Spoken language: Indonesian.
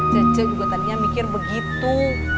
cece juga tadinya mikir begitu